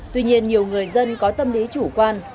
tuy nhiên nhiều người dân có tâm lý chủ quan